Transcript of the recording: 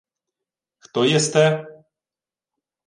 — Хто єсте?